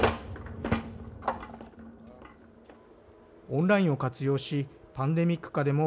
オンラインを活用しパンデミック下でも